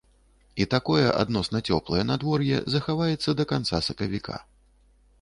І такое адносна цёплае надвор'е захаваецца да канца сакавіка.